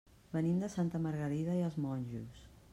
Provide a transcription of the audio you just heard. Venim de Santa Margarida i els Monjos.